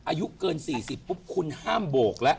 อายุเกิน๔๐ปุ๊บคุณห้ามโบกแล้ว